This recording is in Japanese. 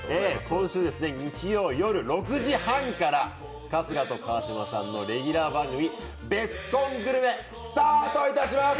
今週日曜夜６時半から春日と川島さんのレギュラー番組「ベスコングルメ」スタートいたします。